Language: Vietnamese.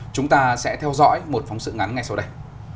chúng ta sẽ theo dõi một phóng sự ngắn ngay sau đây